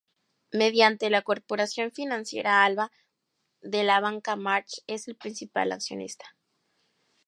Mediante la Corporación Financiera Alba, de la que Banca March es el principal accionista.